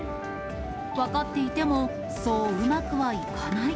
分かっていても、そううまくはいかない。